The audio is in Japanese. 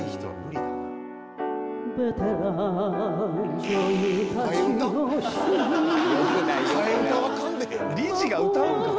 「理事が歌うんか？